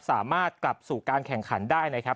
สามารถกลับสู่การแข่งขันได้นะครับ